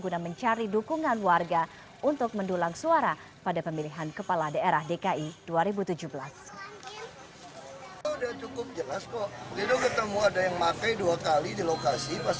guna mencari dukungan warga untuk mendulang suara pada pemilihan kepala daerah dki dua ribu tujuh belas